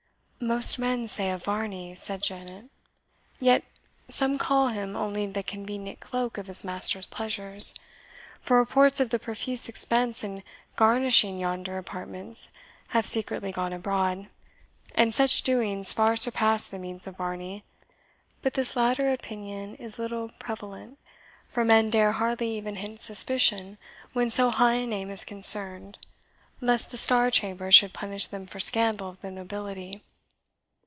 "Most men say of Varney," said Janet; "yet some call him only the convenient cloak of his master's pleasures; for reports of the profuse expense in garnishing yonder apartments have secretly gone abroad, and such doings far surpass the means of Varney. But this latter opinion is little prevalent; for men dare hardly even hint suspicion when so high a name is concerned, lest the Star Chamber should punish them for scandal of the nobility."